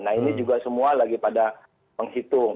nah ini juga semua lagi pada menghitung